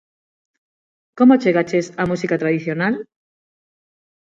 Como chegaches á música tradicional?